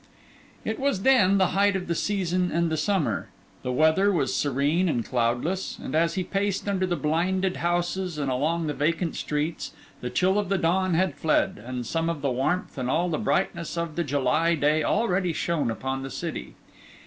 It was then the height of the season and the summer; the weather was serene and cloudless; and as he paced under the blinded houses and along the vacant streets, the chill of the dawn had fled, and some of the warmth and all the brightness of the July day already shone upon the city.